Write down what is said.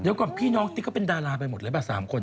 เดี๋ยวก่อนพี่น้องติ๊กก็เป็นดาราไปหมดเลยป่ะ๓คน